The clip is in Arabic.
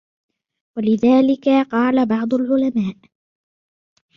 وَلِذَلِكَ قَالَ بَعْضُ الْعُلَمَاءِ